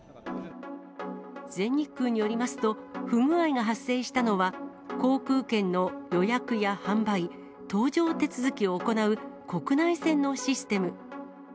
全日空によりますと、不具合が発生したのは、航空券の予約や販売、搭乗手続きを行う国内線のシステム。